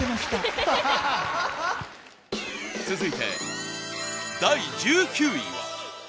続いて第１９位は。